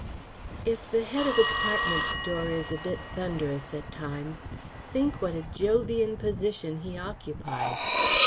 If the head of a department store is a bit thunderous at times, think what a Jovian position he occupies.